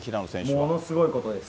ものすごいことです。